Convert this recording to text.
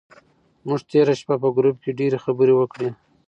موږ تېره شپه په ګروپ کې ډېرې خبرې وکړې.